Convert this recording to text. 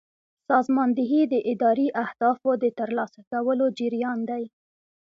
سازماندهي د اداري اهدافو د ترلاسه کولو جریان دی.